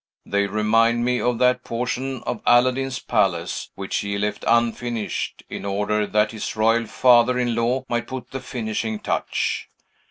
They remind me of that portion of Aladdin's palace which he left unfinished, in order that his royal father in law might put the finishing touch.